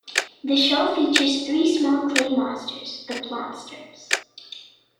The show features three small clay monsters, the Plonsters.